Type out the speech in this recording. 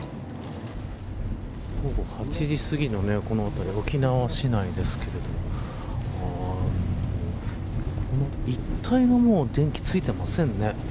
午後８時すぎの沖縄市内ですけれどもこの一帯がもう電気がついていませんね。